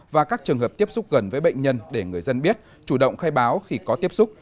và các trường hợp tiếp xúc gần với bệnh nhân để người dân biết chủ động khai báo khi có tiếp xúc